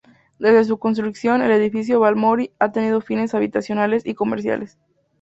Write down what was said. Desde su construcción el Edificio Balmori ha tenido fines habitacionales y comerciales.